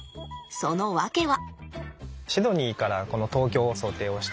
その訳は。